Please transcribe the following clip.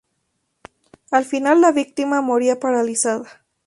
Al final la víctima moría paralizada.